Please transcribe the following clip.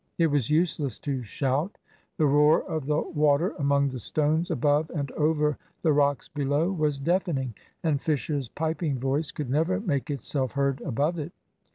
It was useless to shout. The roar of the water among the stones above and over the rocks below was deafening, and Fisher's piping voice could never make itself heard above it.